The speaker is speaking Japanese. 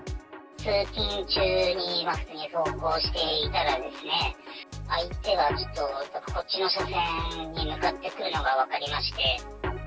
通勤中に、普通に走行していたらですね、相手がこっちの車線に向かってくるのが分かりまして。